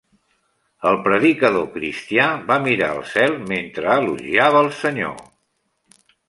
El predicador cristià va mirar al cel mentre elogiava el senyor.